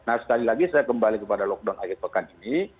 nah sekali lagi saya kembali kepada lockdown akhir pekan ini